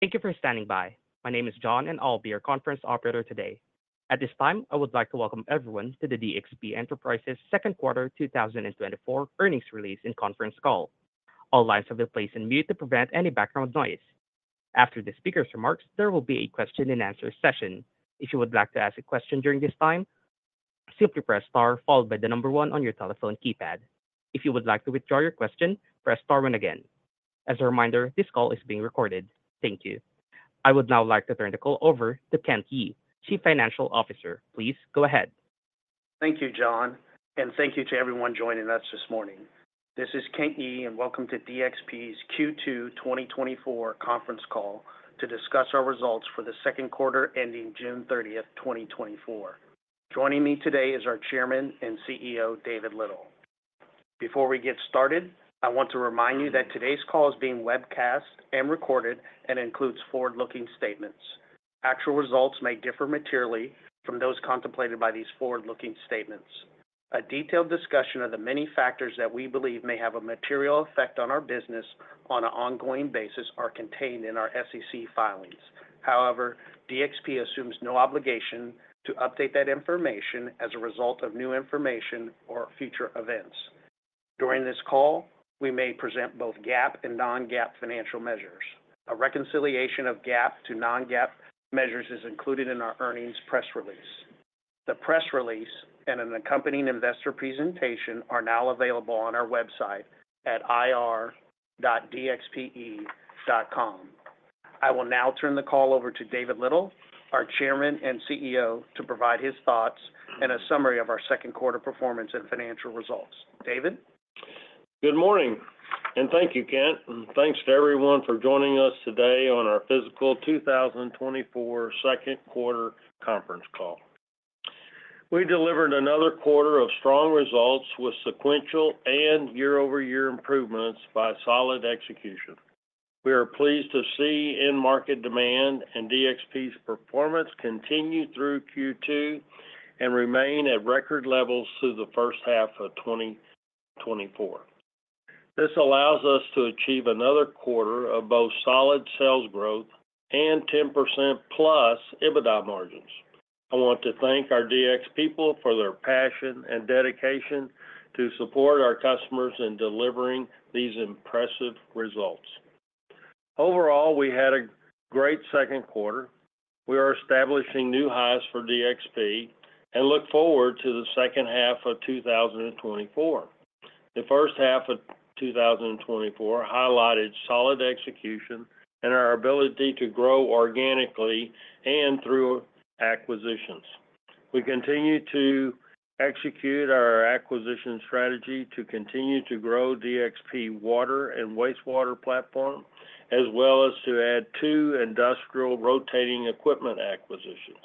Thank you for standing by. My name is John, and I'll be your conference operator today. At this time, I would like to welcome everyone to the DXP Enterprises second quarter 2024 earnings release and conference call. All lines have been placed on mute to prevent any background noise. After the speaker's remarks, there will be a question-and-answer session. If you would like to ask a question during this time, simply press star, followed by the number one on your telephone keypad. If you would like to withdraw your question, press star one again. As a reminder, this call is being recorded. Thank you. I would now like to turn the call over to Kent Yee, Chief Financial Officer. Please go ahead. Thank you, John, and thank you to everyone joining us this morning. This is Kent Yee, and welcome to DXP's Q2 2024 conference call to discuss our results for the second quarter, ending June 30, 2024. Joining me today is our Chairman and CEO, David Little. Before we get started, I want to remind you that today's call is being webcast and recorded and includes forward-looking statements. Actual results may differ materially from those contemplated by these forward-looking statements. A detailed discussion of the many factors that we believe may have a material effect on our business on an ongoing basis are contained in our SEC filings. However, DXP assumes no obligation to update that information as a result of new information or future events. During this call, we may present both GAAP and non-GAAP financial measures. A reconciliation of GAAP to non-GAAP measures is included in our earnings press release. The press release and an accompanying investor presentation are now available on our website at ir.dxpe.com. I will now turn the call over to David Little, our Chairman and CEO, to provide his thoughts and a summary of our second quarter performance and financial results. David? Good morning, and thank you, Kent. And thanks to everyone for joining us today on our fiscal 2024 second quarter conference call. We delivered another quarter of strong results with sequential and year-over-year improvements by solid execution. We are pleased to see end market demand and DXP's performance continue through Q2 and remain at record levels through the first half of 2024. This allows us to achieve another quarter of both solid sales growth and 10%+ EBITDA margins. I want to thank our DXP people for their passion and dedication to support our customers in delivering these impressive results. Overall, we had a great second quarter. We are establishing new highs for DXP and look forward to the second half of 2024. The first half of 2024 highlighted solid execution and our ability to grow organically and through acquisitions. We continue to execute our acquisition strategy to continue to grow DXP water and wastewater platform, as well as to add two industrial rotating equipment acquisitions.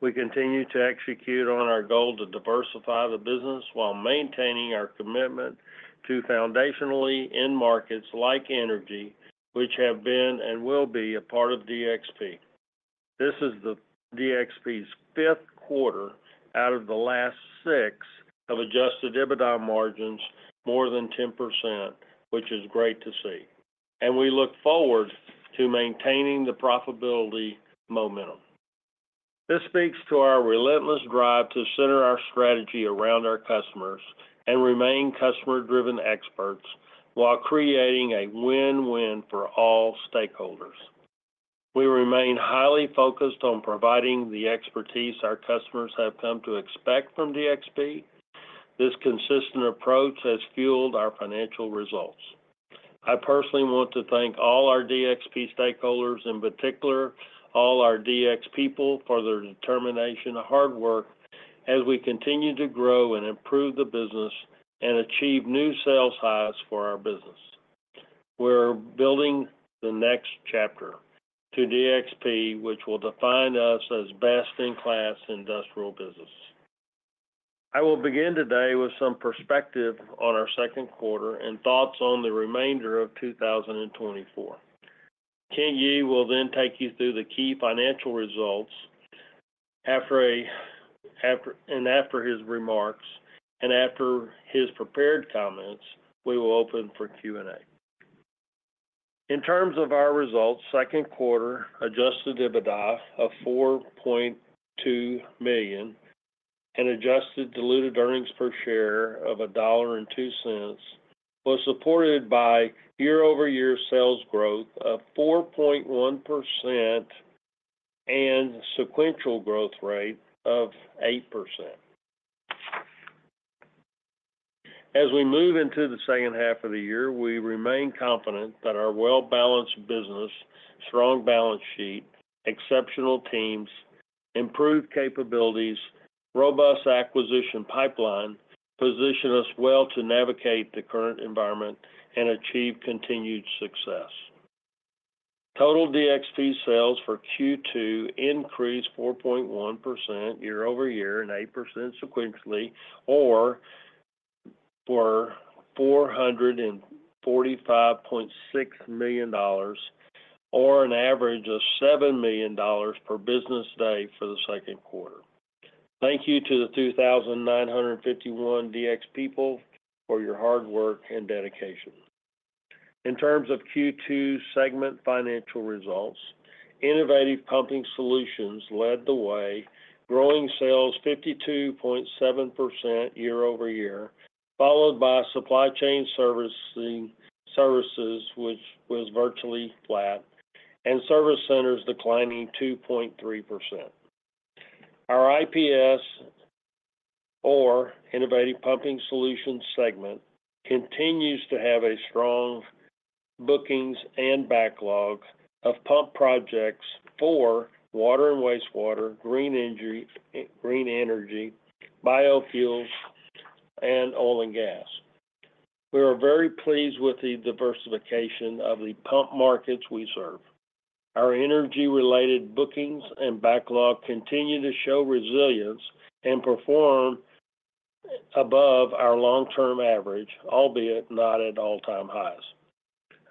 We continue to execute on our goal to diversify the business while maintaining our commitment to foundationally end markets like energy, which have been and will be a part of DXP. This is the DXP's 5th quarter out of the last six of adjusted EBITDA margins more than 10%, which is great to see, and we look forward to maintaining the profitability momentum. This speaks to our relentless drive to center our strategy around our customers and remain customer-driven experts while creating a win-win for all stakeholders. We remain highly focused on providing the expertise our customers have come to expect from DXP. This consistent approach has fueled our financial results. I personally want to thank all our DXP stakeholders, in particular, all our DXP people, for their determination and hard work as we continue to grow and improve the business and achieve new sales highs for our business. We're building the next chapter to DXP, which will define us as best-in-class industrial business. I will begin today with some perspective on our second quarter and thoughts on the remainder of 2024. Kent Yee will then take you through the key financial results. After his remarks and after his prepared comments, we will open for Q&A. In terms of our results, second quarter adjusted EBITDA of $4.2 million and adjusted diluted earnings per share of $1.02 was supported by year-over-year sales growth of 4.1% and sequential growth rate of 8%. As we move into the second half of the year, we remain confident that our well-balanced business, strong balance sheet, exceptional teams, improved capabilities, robust acquisition pipeline position us well to navigate the current environment and achieve continued success. Total DXP sales for Q2 increased 4.1% year-over-year and 8% sequentially, to $445.6 million, or an average of $7 million per business day for the second quarter. Thank you to the 2,951 DXP people for your hard work and dedication. In terms of Q2 segment financial results, Innovative Pumping Solutions led the way, growing sales 52.7% year-over-year, followed by Supply Chain Services, which was virtually flat, and Service Centers declining 2.3%. Our IPS or Innovative Pumping Solutions segment continues to have a strong bookings and backlog of pump projects for water and wastewater, green energy, biofuels, and oil and gas. We are very pleased with the diversification of the pump markets we serve. Our energy-related bookings and backlog continue to show resilience and perform above our long-term average, albeit not at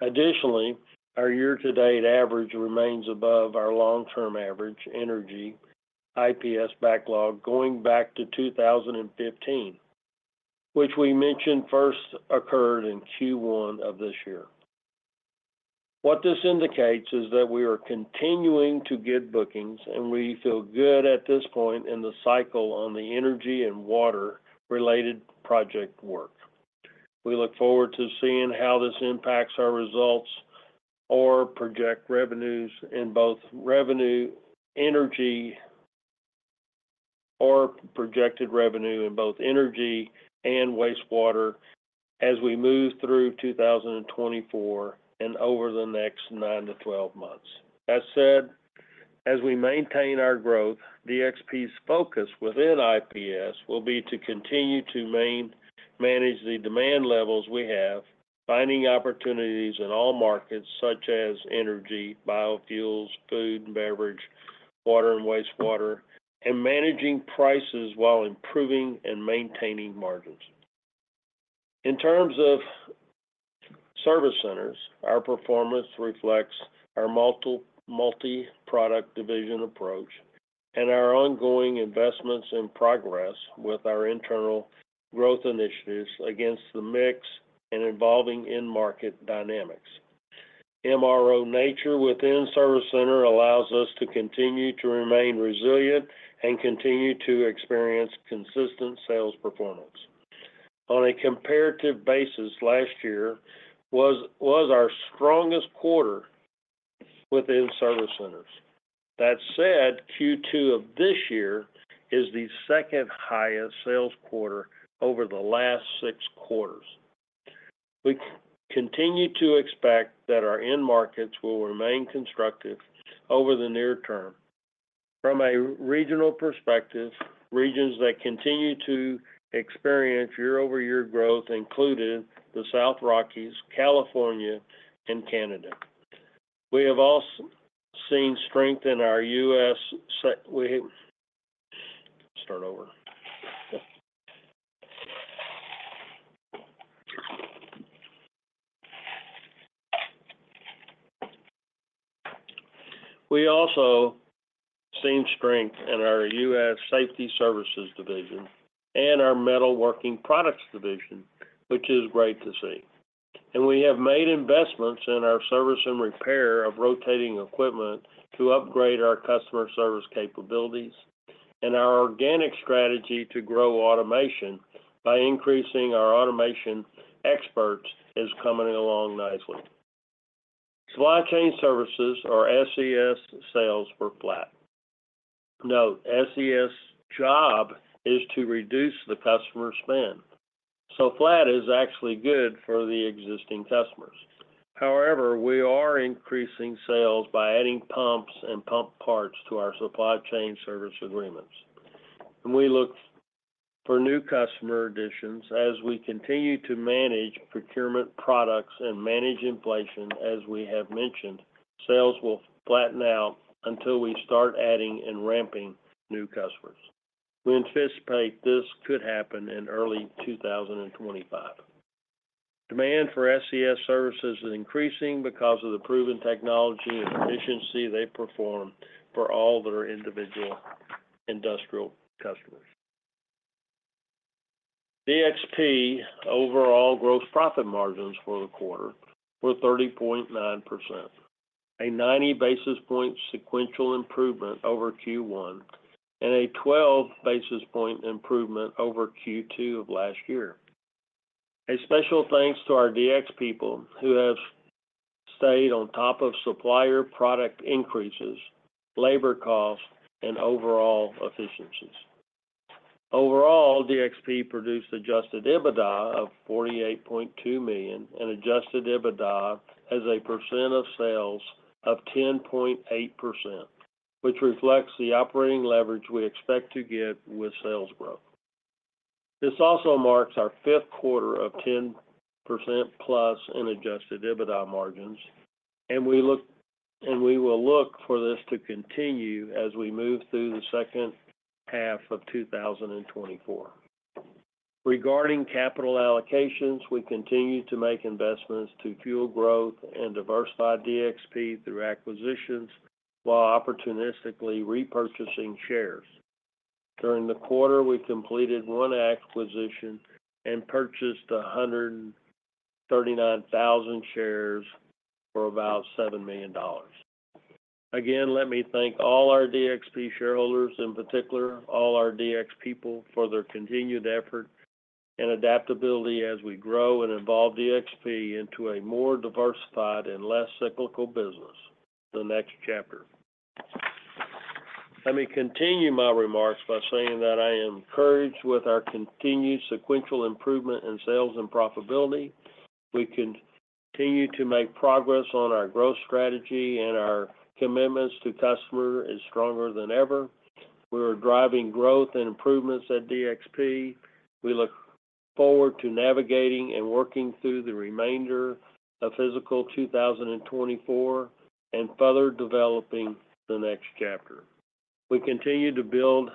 all-time highs. Additionally, our year-to-date average remains above our long-term average energy IPS backlog going back to 2015, which we mentioned first occurred in Q1 of this year. What this indicates is that we are continuing to get bookings, and we feel good at this point in the cycle on the energy and water-related project work. We look forward to seeing how this impacts our results or project revenues in both revenue, energy, or projected revenue in both energy and wastewater as we move through 2024 and over the next nine to 12 months. That said, as we maintain our growth, DXP's focus within IPS will be to continue to manage the demand levels we have, finding opportunities in all markets such as energy, biofuels, food and beverage, water and wastewater, and managing prices while improving and maintaining margins. In terms of Service Centers, our performance reflects our multi-product division approach and our ongoing investments and progress with our internal growth initiatives against the mix and evolving end market dynamics. MRO nature within Service Centers allows us to continue to remain resilient and continue to experience consistent sales performance. On a comparative basis, last year was our strongest quarter within Service Centers. That said, Q2 of this year is the second highest sales quarter over the last six quarters. We continue to expect that our end markets will remain constructive over the near term. From a regional perspective, regions that continue to experience year-over-year growth included the South Rockies, California, and Canada. We also seen strength in our U.S. Safety Services division and our Metalworking Products division, which is great to see. We have made investments in our service and repair of rotating equipment to upgrade our customer service capabilities, and our organic strategy to grow automation by increasing our automation experts is coming along nicely. Supply Chain Services or SCS sales were flat. Note, SCS' job is to reduce the customer spend, so flat is actually good for the existing customers. However, we are increasing sales by adding pumps and pump parts to our supply chain service agreements. We look for new customer additions as we continue to manage procurement products and manage inflation as we have mentioned, sales will flatten out until we start adding and ramping new customers. We anticipate this could happen in early 2025. Demand for SCS services is increasing because of the proven technology and efficiency they perform for all their individual industrial customers. DXP overall gross profit margins for the quarter were 30.9%, a 90 basis point sequential improvement over Q1, and a 12 basis point improvement over Q2 of last year. A special thanks to our DXP people who have stayed on top of supplier product increases, labor costs, and overall efficiencies. Overall, DXP produced adjusted EBITDA of $48.2 million and adjusted EBITDA as a percent of sales of 10.8%, which reflects the operating leverage we expect to get with sales growth. This also marks our fifth quarter of 10%+ in adjusted EBITDA margins, and we look- and we will look for this to continue as we move through the second half of 2024. Regarding capital allocations, we continue to make investments to fuel growth and diversify DXP through acquisitions, while opportunistically repurchasing shares. During the quarter, we completed one acquisition and purchased 139,000 shares for about $7 million. Again, let me thank all our DXP shareholders, in particular, all our DXP people, for their continued effort and adaptability as we grow and evolve DXP into a more diversified and less cyclical business, the next chapter. Let me continue my remarks by saying that I am encouraged with our continued sequential improvement in sales and profitability. We continue to make progress on our growth strategy, and our commitments to customer is stronger than ever. We are driving growth and improvements at DXP. We look forward to navigating and working through the remainder of fiscal 2024 and further developing the next chapter. We continue to build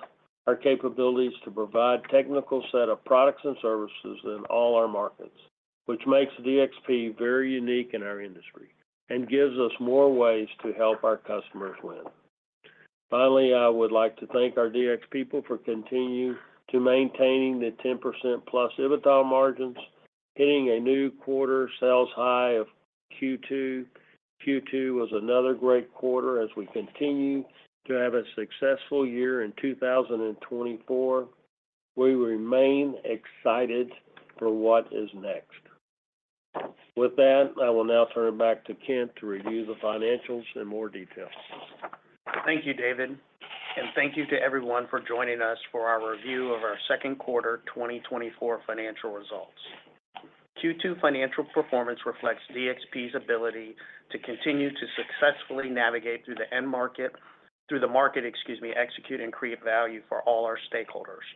our capabilities to provide technical set of products and services in all our markets, which makes DXP very unique in our industry and gives us more ways to help our customers win. Finally, I would like to thank our DXP people for continuing to maintain the 10%+ EBITDA margins, hitting a new quarter sales high of Q2. Q2 was another great quarter as we continue to have a successful year in 2024. We remain excited for what is next. With that, I will now turn it back to Kent to review the financials in more detail. Thank you, David, and thank you to everyone for joining us for our review of our second quarter 2024 financial results. Q2 financial performance reflects DXP's ability to continue to successfully navigate through the end market, through the market, excuse me, execute and create value for all our stakeholders.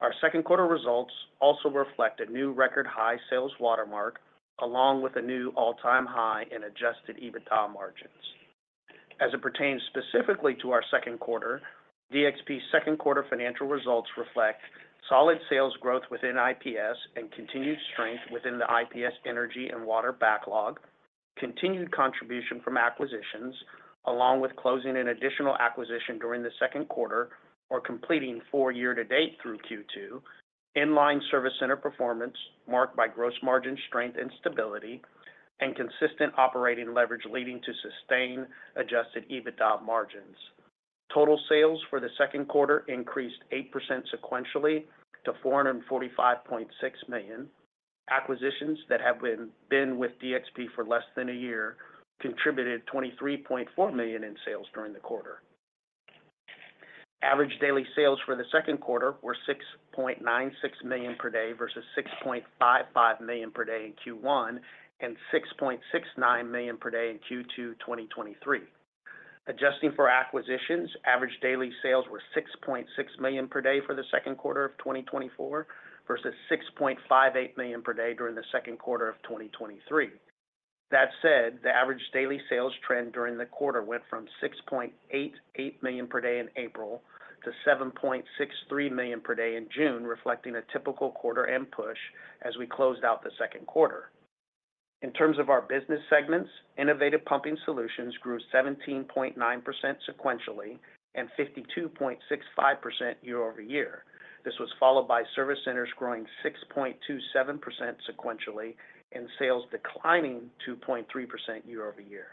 Our second quarter results also reflect a new record high sales watermark, along with a new all-time high in adjusted EBITDA margins. As it pertains specifically to our second quarter, DXP's second quarter financial results reflect solid sales growth within IPS and continued strength within the IPS energy and water backlog, continued contribution from acquisitions, along with closing an additional acquisition during the second quarter or completing four year to date through Q2, in-line service center performance marked by gross margin strength and stability, and consistent operating leverage leading to sustained adjusted EBITDA margins. Total sales for the second quarter increased 8% sequentially to $445.6 million. Acquisitions that have been with DXP for less than a year contributed $23.4 million in sales during the quarter. Average daily sales for the second quarter were $6.96 million per day versus $6.55 million per day in Q1 and $6.69 million per day in Q2 2023. Adjusting for acquisitions, average daily sales were $6.6 million per day for the second quarter of 2024 versus $6.58 million per day during the second quarter of 2023. That said, the average daily sales trend during the quarter went from $6.88 million per day in April to $7.63 million per day in June, reflecting a typical quarter-end push as we closed out the second quarter. In terms of our business segments, Innovative Pumping Solutions grew 17.9% sequentially and 52.65% year-over-year. This was followed by Service Centers growing 6.27% sequentially and sales declining 2.3% year-over-year.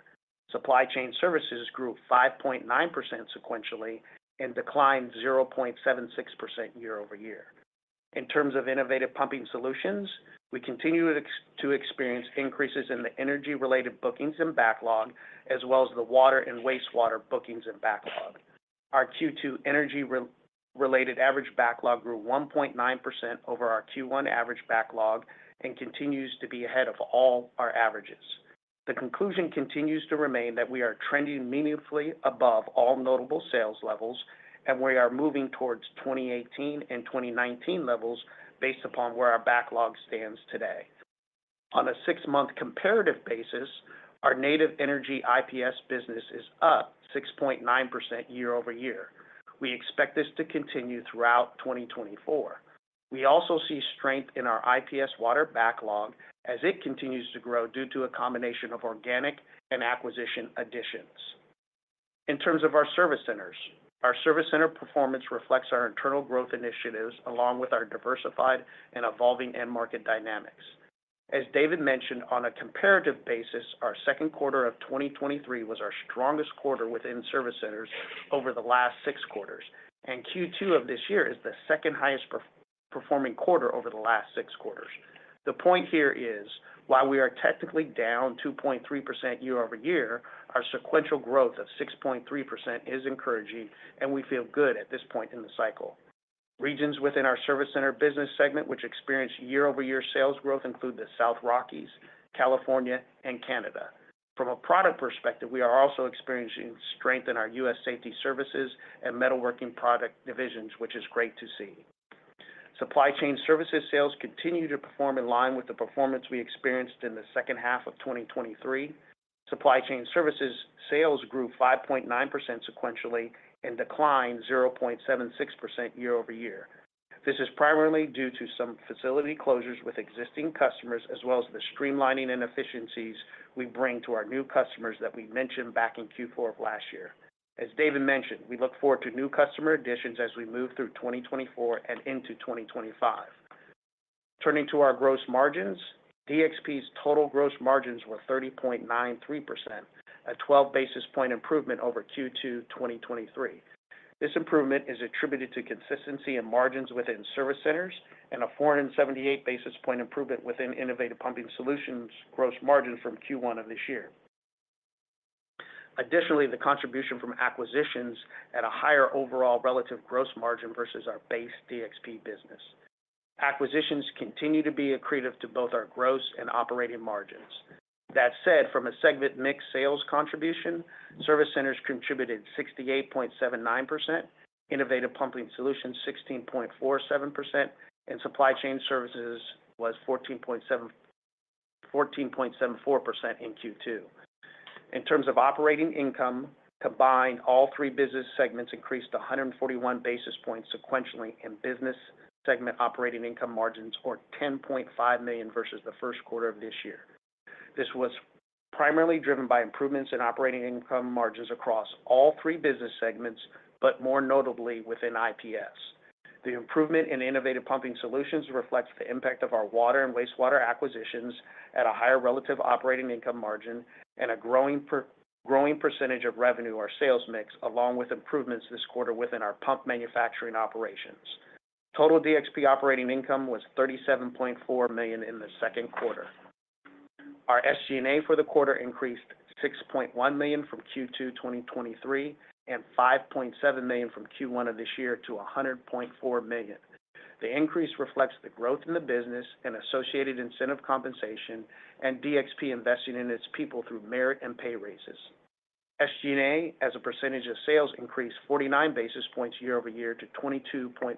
Supply Chain Services grew 5.9% sequentially and declined 0.76% year-over-year. In terms of Innovative Pumping Solutions, we continue to experience increases in the energy-related bookings and backlog, as well as the water and wastewater bookings and backlog. Our Q2 energy-related average backlog grew 1.9% over our Q1 average backlog and continues to be ahead of all our averages. The conclusion continues to remain that we are trending meaningfully above all notable sales levels, and we are moving towards 2018 and 2019 levels based upon where our backlog stands today. On a six-month comparative basis, our native energy IPS business is up 6.9% year-over-year. We expect this to continue throughout 2024. We also see strength in our IPS water backlog as it continues to grow due to a combination of organic and acquisition additions. In terms of our Service Centers, our Service Center performance reflects our internal growth initiatives, along with our diversified and evolving end market dynamics. As David mentioned, on a comparative basis, our second quarter of 2023 was our strongest quarter within Service Centers over the last six quarters, and Q2 of this year is the second highest performing quarter over the last six quarters. The point here is, while we are technically down 2.3% year-over-year, our sequential growth of 6.3% is encouraging, and we feel good at this point in the cycle. Regions within our Service Centers business segment, which experienced year-over-year sales growth, include the South Rockies, California, and Canada. From a product perspective, we are also experiencing strength in our U.S. Safety Services and Metalworking Products divisions, which is great to see. Supply Chain Services sales continue to perform in line with the performance we experienced in the second half of 2023. Supply Chain Services sales grew 5.9% sequentially and declined 0.76% year-over-year. This is primarily due to some facility closures with existing customers, as well as the streamlining and efficiencies we bring to our new customers that we mentioned back in Q4 of last year. As David mentioned, we look forward to new customer additions as we move through 2024 and into 2025. Turning to our gross margins, DXP's total gross margins were 30.93%, a 12 basis point improvement over Q2 2023. This improvement is attributed to consistency in margins within Service Centers and a 478 basis point improvement within Innovative Pumping Solutions' gross margin from Q1 of this year. Additionally, the contribution from acquisitions at a higher overall relative gross margin versus our base DXP business. Acquisitions continue to be accretive to both our gross and operating margins. That said, from a segment mix sales contribution, Service Centers contributed 68.79%, Innovative Pumping Solutions 16.47%, and Supply Chain Services was 14.74% in Q2. In terms of operating income, combined, all three business segments increased to 141 basis points sequentially in business segment operating income margins, or $10.5 million versus the first quarter of this year. This was primarily driven by improvements in operating income margins across all three business segments, but more notably within IPS. The improvement in Innovative Pumping Solutions reflects the impact of our water and wastewater acquisitions at a higher relative operating income margin and a growing percentage of revenue, our sales mix, along with improvements this quarter within our pump manufacturing operations. Total DXP operating income was $37.4 million in the second quarter. Our SG&A for the quarter increased $6.1 million from Q2 2023, and $5.7 million from Q1 of this year to $100.4 million. The increase reflects the growth in the business and associated incentive compensation, and DXP investing in its people through merit and pay raises. SG&A, as a percentage of sales, increased 49 basis points year-over-year to 22.54%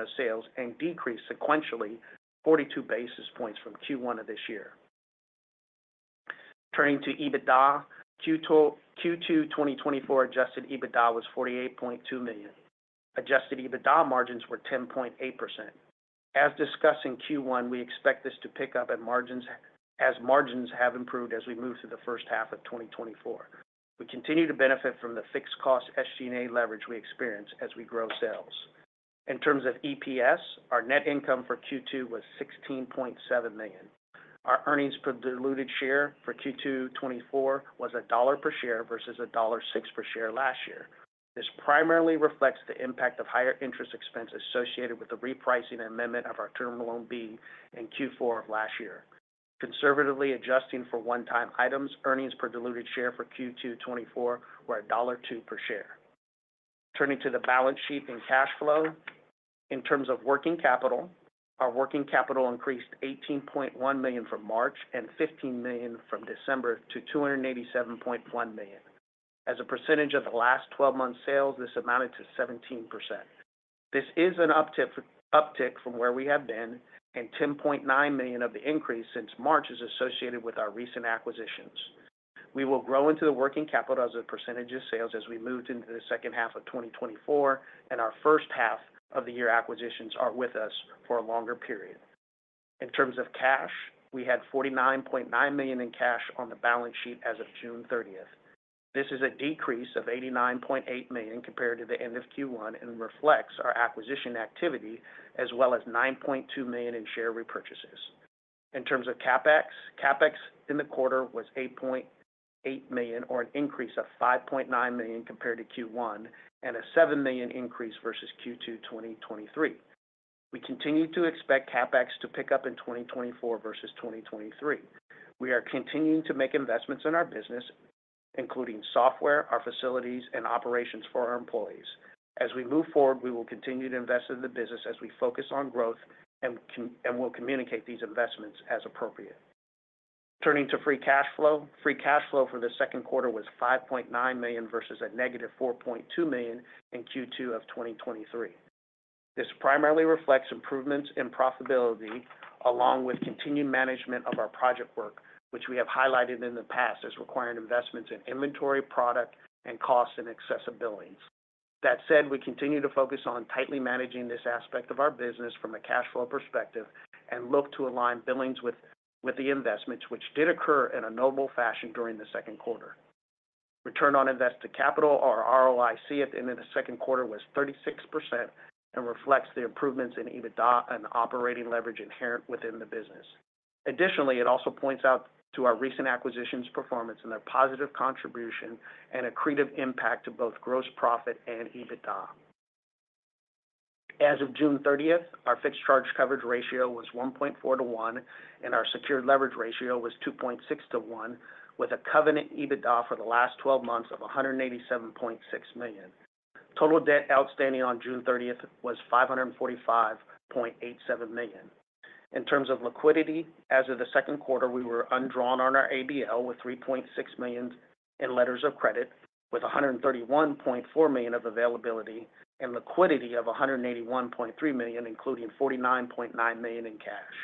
of sales and decreased sequentially 42 basis points from Q1 of this year. Turning to EBITDA, Q2 2024 adjusted EBITDA was $48.2 million. Adjusted EBITDA margins were 10.8%. As discussed in Q1, we expect this to pick up as margins have improved as we move through the first half of 2024. We continue to benefit from the fixed cost SG&A leverage we experience as we grow sales. In terms of EPS, our net income for Q2 was $16.7 million. Our earnings per diluted share for Q2 2024 was $1 per share versus $1.06 per share last year. This primarily reflects the impact of higher interest expense associated with the repricing and amendment of our Term Loan B in Q4 of last year. Conservatively adjusting for one-time items, earnings per diluted share for Q2 2024 were $1.02 per share. Turning to the balance sheet and cash flow. In terms of working capital, our working capital increased $18.1 million from March and $15 million from December to $287.1 million. As a percentage of the last twelve months sales, this amounted to 17%. This is an uptick from where we have been, and $10.9 million of the increase since March is associated with our recent acquisitions. We will grow into the working capital as a percentage of sales as we moved into the second half of 2024, and our first half of the year acquisitions are with us for a longer period. In terms of cash, we had $49.9 million in cash on the balance sheet as of June thirtieth. This is a decrease of $89.8 million compared to the end of Q1 and reflects our acquisition activity, as well as $9.2 million in share repurchases. In terms of CapEx, CapEx in the quarter was $8.8 million, or an increase of $5.9 million compared to Q1, and a $7 million increase versus Q2 2023. We continue to expect CapEx to pick up in 2024 versus 2023. We are continuing to make investments in our business, including software, our facilities, and operations for our employees. As we move forward, we will continue to invest in the business as we focus on growth, and we'll communicate these investments as appropriate. Turning to free cash flow. Free cash flow for the second quarter was $5.9 million versus a -$4.2 million in Q2 of 2023. This primarily reflects improvements in profitability along with continued management of our project work, which we have highlighted in the past as requiring investments in inventory, product, and costs, and accessible billings. That said, we continue to focus on tightly managing this aspect of our business from a cash flow perspective and look to align billings with the investments, which did occur in a normal fashion during the second quarter. Return on invested capital, or ROIC, at the end of the second quarter was 36% and reflects the improvements in EBITDA and operating leverage inherent within the business. Additionally, it also points out to our recent acquisitions performance and their positive contribution and accretive impact to both gross profit and EBITDA. As of June 30, our Fixed Charge Coverage Ratio was 1.4 to 1, and our Secured Leverage Ratio was 2.6 to 1, with a Covenant EBITDA for the last 12 months of $187.6 million. Total debt outstanding on June 30 was $545.87 million. In terms of liquidity, as of the second quarter, we were undrawn on our ABL with $3.6 million in letters of credit, with $131.4 million of availability and liquidity of $181.3 million, including $49.9 million in cash.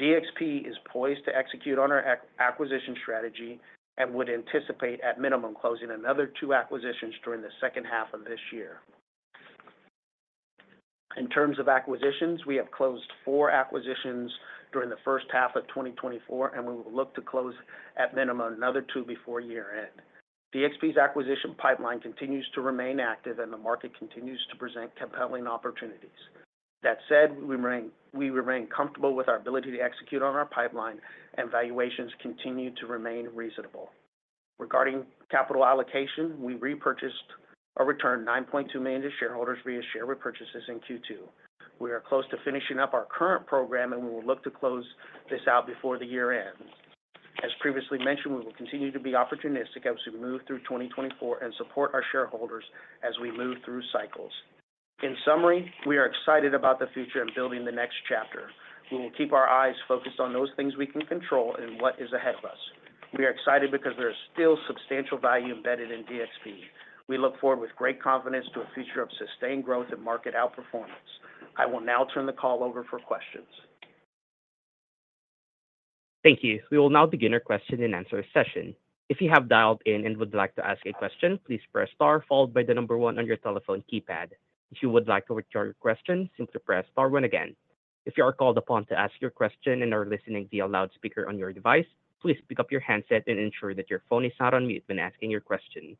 DXP is poised to execute on our acquisition strategy, and would anticipate, at minimum, closing another two acquisitions during the second half of this year. In terms of acquisitions, we have closed four acquisitions during the first half of 2024, and we will look to close, at minimum, another two before year-end. DXP's acquisition pipeline continues to remain active, and the market continues to present compelling opportunities. That said, we remain, we remain comfortable with our ability to execute on our pipeline, and valuations continue to remain reasonable. Regarding capital allocation, we repurchased or returned $9.2 million to shareholders via share repurchases in Q2. We are close to finishing up our current program, and we will look to close this out before the year ends. As previously mentioned, we will continue to be opportunistic as we move through 2024 and support our shareholders as we move through cycles. In summary, we are excited about the future and building the next chapter. We will keep our eyes focused on those things we can control and what is ahead of us. We are excited because there is still substantial value embedded in DXP. We look forward with great confidence to a future of sustained growth and market outperformance. I will now turn the call over for questions. Thank you. We will now begin our question and answer session. If you have dialed in and would like to ask a question, please press star followed by the number one on your telephone keypad. If you would like to withdraw your question, simply press star one again. If you are called upon to ask your question and are listening via loudspeaker on your device, please pick up your handset and ensure that your phone is not on mute when asking your question.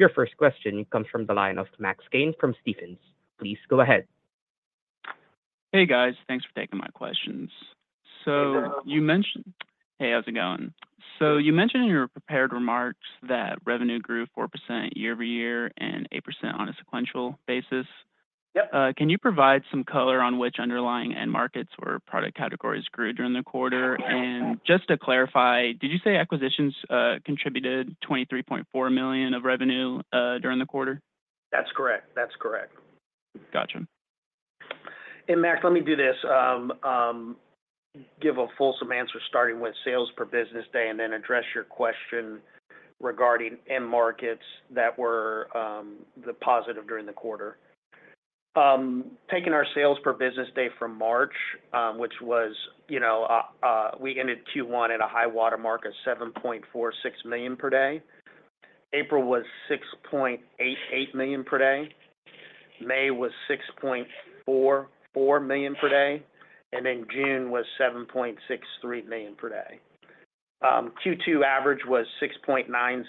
Your first question comes from the line of Max Kane from Stephens. Please go ahead. Hey, guys. Thanks for taking my questions. So you mentioned, hey, how's it going? So you mentioned in your prepared remarks that revenue grew 4% year-over-year and 8% on a sequential basis. Can you provide some color on which underlying end markets or product categories grew during the quarter? Just to clarify, did you say acquisitions contributed $23.4 million of revenue during the quarter? That's correct. That's correct. Gotcha. And, Max, let me do this: give a fulsome answer, starting with sales per business day, and then address your question regarding end markets that were the positive during the quarter. Taking our sales per business day from March, which was, you know. We ended Q1 at a high water mark of $7.46 million per day. April was $6.88 million per day. May was $6.44 million per day, and then June was $7.63 million per day. Q2 average was $6.96 million,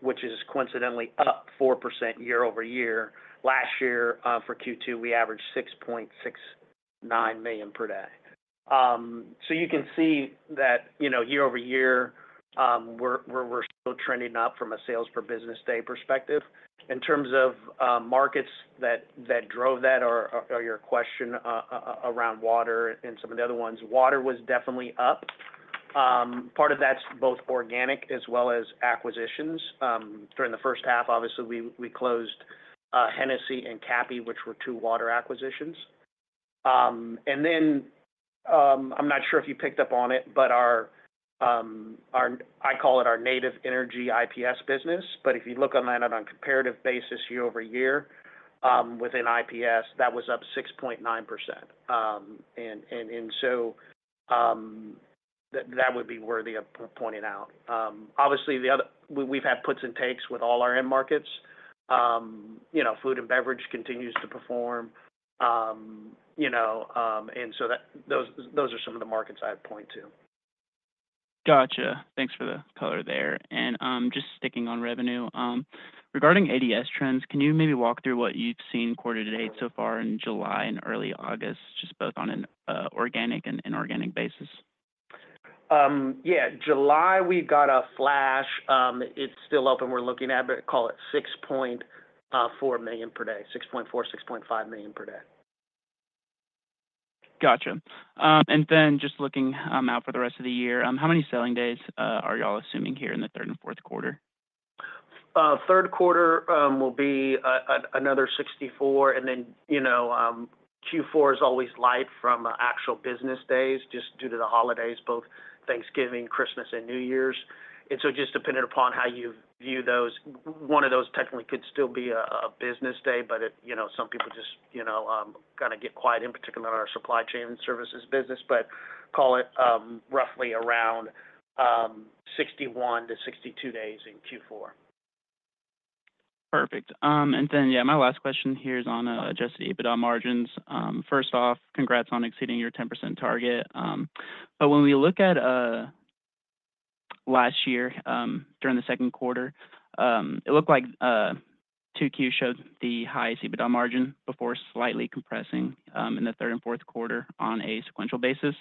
which is coincidentally up 4% year over year. Last year, for Q2, we averaged $6.69 million per day. So you can see that, you know, year over year, we're still trending up from a sales per business day perspective. In terms of markets that drove that or your question around water and some of the other ones, water was definitely up. Part of that's both organic as well as acquisitions. During the first half, obviously, we closed Hennesy and Kappe, which were two water acquisitions. And then, I'm not sure if you picked up on it, but our, I call it our native energy IPS business, but if you look on that on a comparative basis, year-over-year, within IPS, that was up 6.9%. And so, that would be worthy of pointing out. Obviously, the other we've had puts and takes with all our end markets. You know, food and beverage continues to perform. You know, and so those are some of the markets I'd point to. Gotcha. Thanks for the color there. And just sticking on revenue, regarding ADS trends, can you maybe walk through what you've seen quarter to date so far in July and early August, just both on an organic and inorganic basis? Yeah. July, we got a flash. It's still open, we're looking at, but call it $6.4 million per day, $6.4 million-$6.5 million per day. Gotcha. And then just looking out for the rest of the year, how many selling days are y'all assuming here in the third and fourth quarter? Third quarter will be a another 64, and then, you know, Q4 is always light from actual business days, just due to the holidays, both Thanksgiving, Christmas, and New Year's. And so just dependent upon how you view those, one of those technically could still be a business day, but it, you know, some people just, you know, kinda get quiet, in particular in our supply chain and services business, but call it roughly around 61-62 days in Q4. Perfect. And then, yeah, my last question here is on adjusted EBITDA margins. First off, congrats on exceeding your 10% target. But when we look at last year, during the second quarter, it looked like 2Q showed the highest EBITDA margin before slightly compressing in the third and fourth quarter on a sequential basis.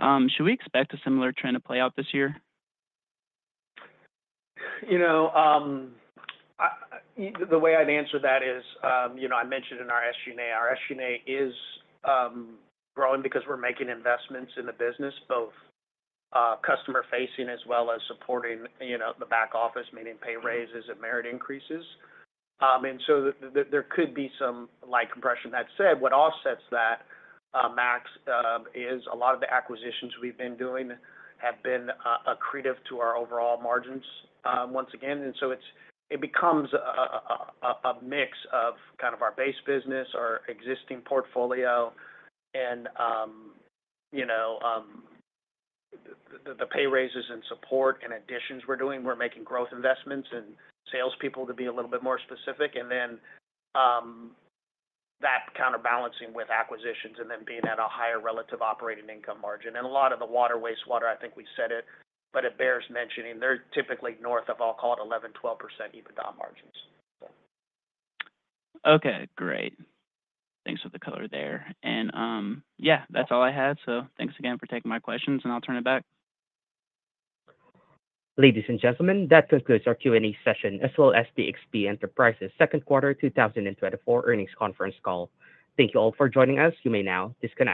Should we expect a similar trend to play out this year? You know, the way I'd answer that is, you know, I mentioned in our SG&A, our SG&A is growing because we're making investments in the business, both, customer-facing as well as supporting, you know, the back office, meaning pay raises and merit increases. And so there could be some light compression. That said, what offsets that, Max, is a lot of the acquisitions we've been doing have been, accretive to our overall margins, once again. And so it becomes a mix of kind of our base business, our existing portfolio, and, you know, the pay raises and support and additions we're doing. We're making growth investments in salespeople, to be a little bit more specific, and then, that counterbalancing with acquisitions and then being at a higher relative operating income margin. And a lot of the water, wastewater, I think we said it, but it bears mentioning, they're typically north of, I'll call it, 11%-12% EBITDA margins. Okay, great. Thanks for the color there. And, yeah, that's all I had, so thanks again for taking my questions, and I'll turn it back. Ladies and gentlemen, that concludes our Q&A session as well as DXP Enterprises' second quarter 2024 earnings conference call. Thank you all for joining us. You may now disconnect.